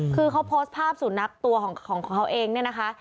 คือเขาโพสต์ภาพสุนัขตัวของเขาเองเนี่ยนะคะ